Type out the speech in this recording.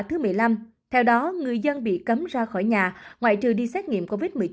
thứ một mươi năm theo đó người dân bị cấm ra khỏi nhà ngoại trừ đi xét nghiệm covid một mươi chín